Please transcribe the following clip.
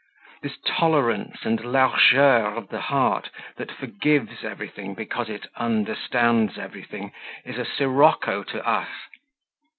This tolerance and largeur of the heart that "forgives" everything because it "understands" everything is a sirocco to us.